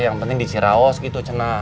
yang penting di siraus gitu cena